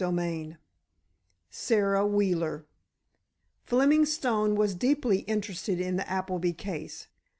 CHAPTER XIII SARA WHEELER Fleming Stone was deeply interested in the Appleby case.